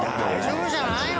大丈夫じゃないの？